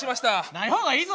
ないほうがいいぞ。